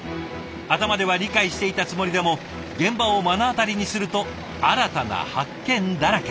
頭では理解していたつもりでも現場を目の当たりにすると新たな発見だらけ！